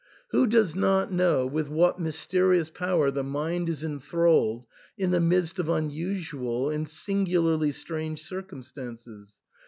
Who does not know with what mysterious power the mind is enthralled in the midst of unusual and singularly strange circumstances